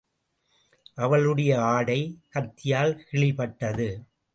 அவளுடைய ஆடை கத்தியால் கிழிபட்டது.